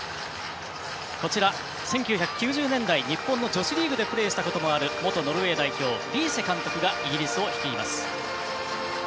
１９９０年代日本の女子リーグでプレーしたこともある元ノルウェー代表の監督がイギリスを率います。